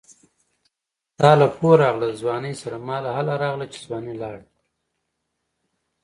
تاله پوهه راغله د ځوانۍ سره ماله هله راغله چې ځواني لاړه